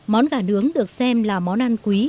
món gà nướng được xem là món ăn quý